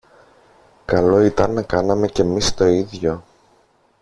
Καλό ήταν να κάναμε και ‘μεις το ίδιο.